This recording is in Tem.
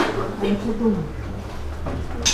Alifa-duu.